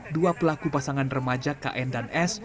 dua pelaku pasangan remaja kn dan s